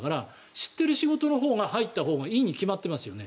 知ってる仕事のほうが入ったほうがいいに決まってますよね。